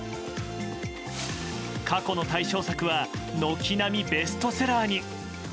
過去の大賞作は軒並みベストセラーに。